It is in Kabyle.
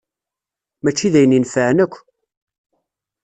Mačči d ayen inefεen akk.